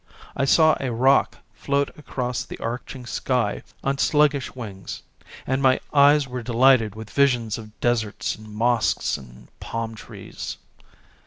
I saw a roc float across the arching sky on sluggish wings, and my eyes were delighted with visions of deserts and mosques and palm trees.